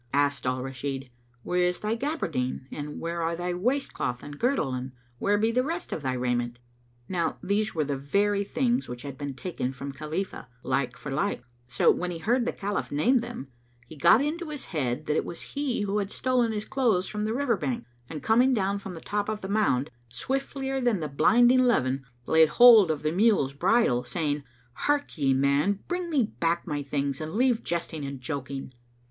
Asked Al Rashid, "Where is thy gaberdine, [FN#220] and where are thy waistcloth and girdle and where be the rest of thy raiment?" Now these were the very things which had been taken from Khalifah, like for like; so, when he heard the Caliph name them, he got into his head that it was he who had stolen his clothes from the river bank and coming down from the top of the mound, swiftlier than the blinding leven, laid hold of the mule's bridle, saying, "Harkye, man, bring me back my things and leave jesting and joking."